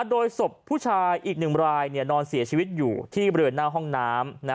โดยศพผู้ชายอีก๑รายนอนเสียชีวิตอยู่ที่บริเวณหน้าห้องน้ำ